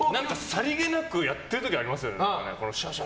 さりげなくやってる時ありますよね。